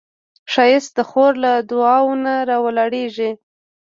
ښایست د خور له دعاوو نه راولاړیږي